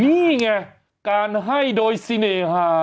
นี่ไงการให้โดยเสน่หา